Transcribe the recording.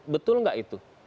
betul gak itu